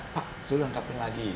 faktsur lengkapin lagi